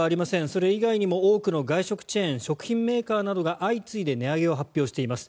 それ以外にも多くの外食チェーン食品メーカーなどが相次いで値上げを発表しています。